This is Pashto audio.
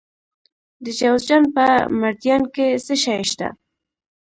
د جوزجان په مردیان کې څه شی شته؟